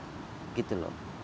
aku sudah sampai disini